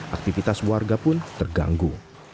aktivitas warga pun terganggu